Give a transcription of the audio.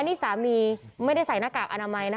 นี่สามีไม่ได้ใส่หน้ากากอนามัยนะคะ